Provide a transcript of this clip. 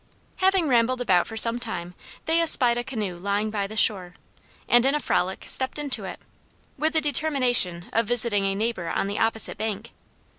Having rambled about for some time they espied a canoe lying by the shore, and in a frolic stepped into it, with the determination of visiting a neighbor on the opposite bank.